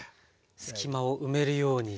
隙間を埋めるようにしていく。